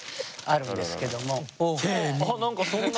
あ何かそんな。